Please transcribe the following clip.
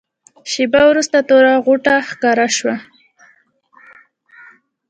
شېبه وروسته توره غوټه ښکاره شوه.